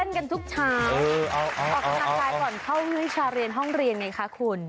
กันทุกเช้าออกกำลังกายก่อนเข้าวิชาเรียนห้องเรียนไงคะคุณ